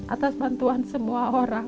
atas bantuan semua orang